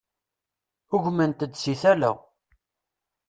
Ugment-d si tala.